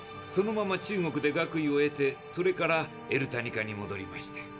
そのまま中国で学位を得てそれからエルタニカにもどりました。